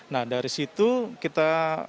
nah dari situ kita